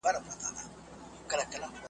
دا تُرابان دی د بدریو له داستانه نه ځي .